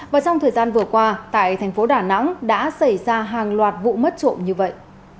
và trong thời gian vừa qua tại thành phố đà nẵng đã xảy ra hàng loạt vụ mất trộm như vậy